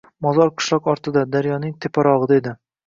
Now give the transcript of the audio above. Mozor qishloq ortida, daryoning teparogʻida edi.